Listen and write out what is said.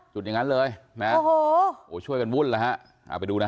จุดอย่างนั้นเลยนะโอ้โหช่วยกันวุ่นแล้วฮะเอาไปดูนะฮะ